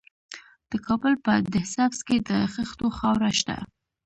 د کابل په ده سبز کې د خښتو خاوره شته.